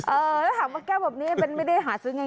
เออถามว่าแก้วแบบนี้มันไม่ได้หาซื้อง่าย